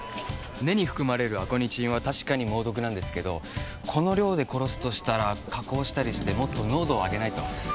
根に含まれるアコニチンは確かに猛毒なんですけどこの量で殺すとしたら加工したりしてもっと濃度をあげないと。